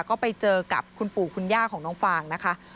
ก็ไปเจอกับคุณปู่คุณย่าของน้องฟางนะคะ